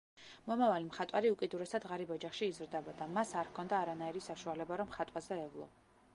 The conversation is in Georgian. მომავალი მხატვარი უკიდურესად ღარიბ ოჯახში იზრდებოდა მას არ ჰქონდა არანაირი საშუალება რომ ხატვაზე ევლო.